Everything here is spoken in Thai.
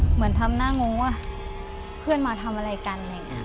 เหมือนทำน่างงว่าเพื่อนมาทำอะไรกัน